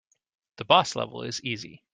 The boss level is easy.